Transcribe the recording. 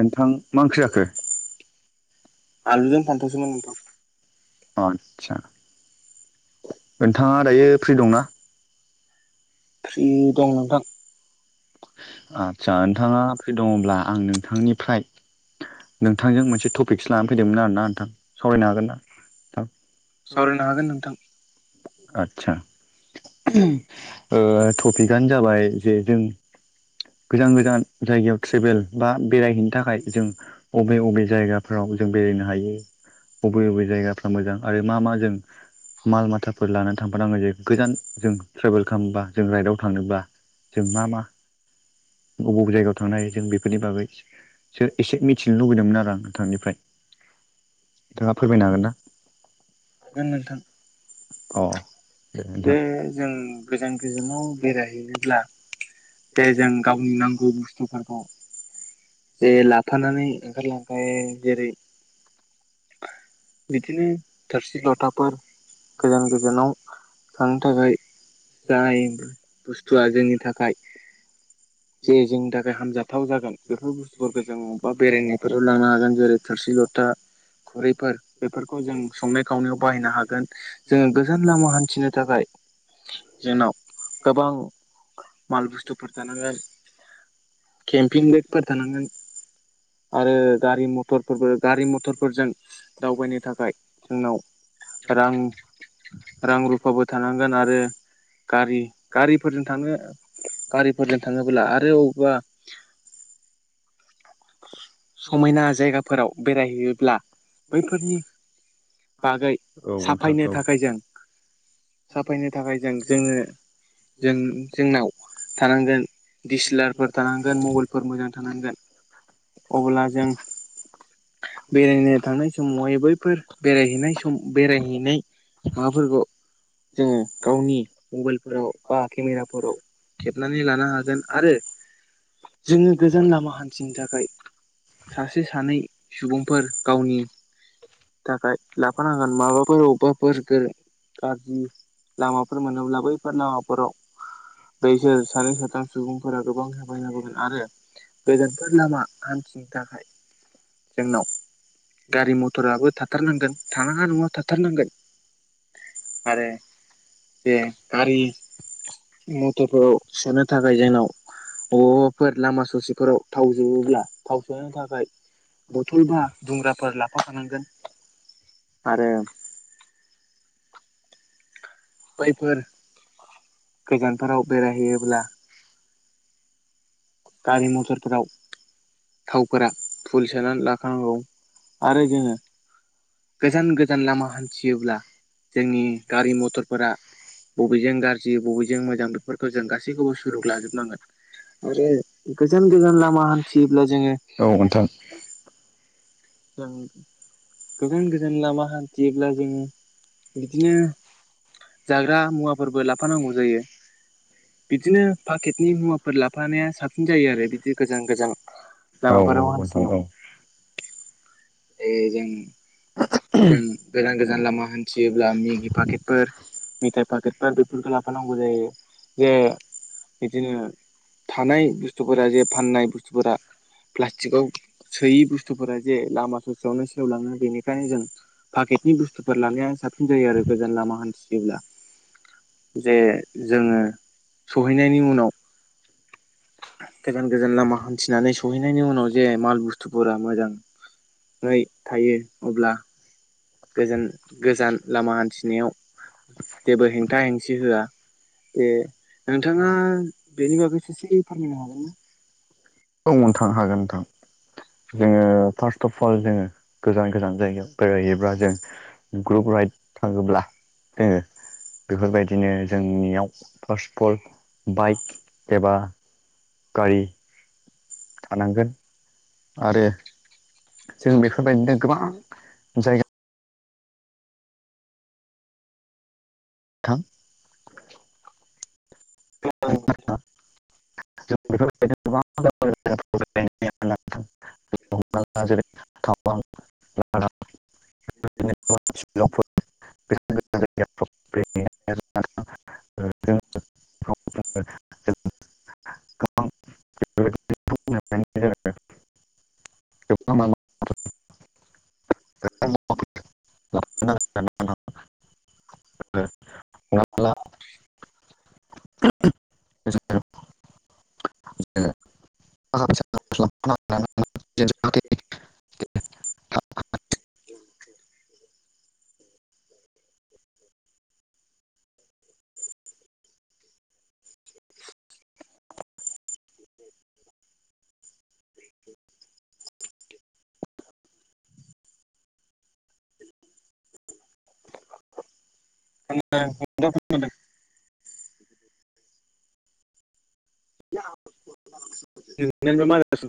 नोंथां मा ओंख्रि जाखो आलु जों फानथवसोमोन नोंथां आदसा नोंथाङा दायो फ्रि दंना फ्रि दं नोंथां आदसा नोंथाङा फ्रि दङब्ला आं नोंथांनिफ्राय नोंथांजों मोनसे थपिकस लानानै फैदोंमोन आरोना नोंथां सावरायनो हागोन ना सावरायनो हागोन नोंथां आतसा थफिकआनो जाबाय जे जों गोजान गोजान जायगायाव थ्रेबेल बा बेरायहैनो थाखाय जों अबे अबे जायगाफ्राव जों बेरायनो हायो अबे अबे जायगाफ्रा मोजां आरो मा मा जों माल माथा फोर लानानै थांफानाङो जायो गोजान जों थ्रेभेल खालामबा जों राइडआव थांनोबा जों मा मा अबे अबे जायगायाव थांनो हायो जों बेफोरनि बागै सो एसे मिथिनो लुबैदोंमोन आरो आं नोंथांनिफ्राय नोंथाङा फोरमायनो हागोन ना हागोन नोंथां। [inaudible] अ। बेे जों गोजान गोजानाव बेरायहैनोब्ला जे जों गावनि नांगौ बुस्थुफोरखौ। दे लाफानानै ओंखारलांखायो जेरै बिदिनो थोरसि लथाफोर गोजान गोजानाव थांनो थाखाय जाय बुस्थुआ जोंनि थाखाय जे जोंनि थाखाय हामजाथाव जागोन। बे बुथफोरखौ जों अबा [inaudible] बेरायनायफोराव लांनो हागोन जेरै थोरसि लथा। खुरैफोर बेफोरखौ जों संनाय खावनायाव बाहायनो हागोन जोङो गोजान लामा हान्थिनो थाखाय जोंनाव गोबां माल बुस्थुफोर थानांगोन। [inaudible] केम्पिं द फोर थानांगोन। आरो गारि मथरफोरबो गारि मथरफोरजों दावबायनो थाखाय जोंनाव रां रां रुफाबो थानांगोन आरो गारि गारिफोरजों थाङो गारिफोरजों थाङोब्ला आरो अबेबा समायना जायगाफोराव बेरायहैयोब्ला बैफोरनि बागै साफायनो थाखाय जों साफायनो थाखाय जों जोङो जों जोंनाव थानांगोन दिसिलारफोर थानांगोन मबाइलफोर मोजां थानांगोन। औ अब्ला जों बेरायनो थांनाय समावहाय बैफोर बेरायहैनाय सम बेरायहैनाय माबाफोरखौ जोङो गावनि मबाइलफोराव बा केमेराफोराव खेबनानै लानो हागोन आरो जोङो गोजान लामा हान्थिनो थाखाय सासे सानै सुबुंफोर गावनि थाखाय लाफानांगोन माबाफोर अबेबाफोर गाज्रि लामाफोर मोनोब्ला बैफोर लामाफोराव बैसोर सानै साथाम सुबुंफोरा गोबां हेफाज जाबगोन आरो गोजानफोर लामा हान्थिनो थाखाय जोंनाव गारि मथराबो थाथारनांगोन थानाङा नङा थाथारनांगोन आरो जे गारि मथरफोराव सोनो थाखाय जोंनाव अबाफोर लामा ससेफोराव थावजोबोब्ला थाव सोनो थाखाय बथल बा दुंग्राफोर लाफाखानांगोन आरो बैफोर गोजानफोराव बेरायहैयोब्ला गारि मथरफोराव थावफोरा फुल सोनानै लाखानांगौ आरो जोङो गोजान गोजान लामा हान्थियोब्ला जोंनि गारि मथरफोरा बबेजों गाज्रि बबेजों मोजां बेफोरखौ जों गास [unintelligible] गु लाजोबनांगोन आरो [inaudible] गोजान गोजान लामा हान्थियोब्ला जोङो औ। [inaudible] गोजान गोजान लामा हान्थियोब्ला जोङो बिदिनो जाग्रा मुवाफोरबो लाफानांगौ जायो बिदिनो पाकेटनि मुवाफोर लाफानाया साबसिन जायो आरो बिदि गोजान गोजान लामाफोराव हान्थिनायाव ए जों जों गोजान गोजान लामा हान थियोब्ला मेगि पाकेटफोर मिथायाइ पाकेटफोर बेफोरखौ लाफानांगौ जायो जे बिदिनो थानाय बुस्थुफोरा जे फाननाय बुस्थुफोरा प्लासटिगआव सोयै बुस्थुफोरा जे लामा ससेयावनो सेवलाङो बेनि जों पाकेटनि बुस्तुफोर लानायानो साब सिन जायो आरो गोजान लामा हान्थियोब्ला जे जोङो सहैनायनि उनाव गोजान गोजान लामा हान्थिनानै सहैनायनि उनाव जे माल बुस थुफोरा मोजांङै थायो अब्ला गोजान गोजान लामा हान्थिनायाव जेबो हेंथा हेंसि होआ ए नोंथाङा बेनि बागै ससे फोरमायनो हागोन ना? औ नोंथां हागोन नोंथां जोङो फार्स्ट अफ अल जोङो गोजान गोजान जायगायाव बेरायहोयोब्ला जों ग्रुप राइड थाङोब्ला जोङो बेफोरबायदिनो जोंनियाव फार्स्ट अफ अल बाइक एबा गारि थानांगोन आरो जों बेफोरबायदिनो गोबां जायगा थां [unintelligible] [unintelligible] [unintelligible] [unintelligible] [unintelligible]